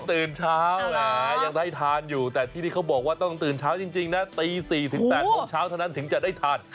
ตื่นเช้าแหมยังได้ทานอยู่แต่ที่นี่เขาบอกว่าต้องตื่นเช้าจริงนะตี๔๘โมงเช้าเท่านั้นถึงจะได้ทาน